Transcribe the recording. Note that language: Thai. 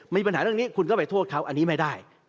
มีปัญหาเรื่องยสมชอบกับเขาอันนี้ไม่ได้